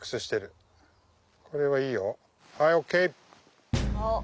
はいＯＫ。